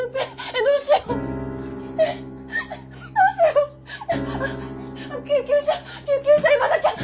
あ救急車救急車呼ばなきゃ！